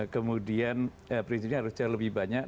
kemudian prinsipnya harus jadi lebih banyak